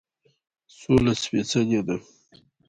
سوله سپیڅلې ده